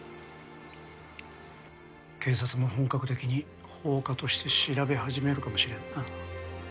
警察も本格的に放火として調べ始めるかもしれんな。